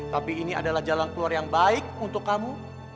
tapi ini adalah jalan keluar yang baik untuk kamu